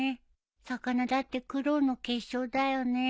魚だって苦労の結晶だよね。